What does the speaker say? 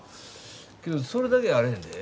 けど、それだけやあれへんで。